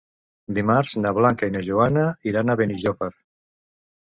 Dimarts na Blanca i na Joana iran a Benijòfar.